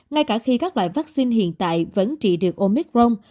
ngay cả khi các loại vaccine hiện tại vẫn trị được omicron